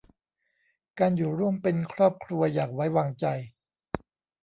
การอยู่ร่วมเป็นครอบครัวอย่างไว้วางใจ